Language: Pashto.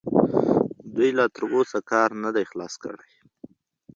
دوی لا تراوسه کار نه دی خلاص کړی.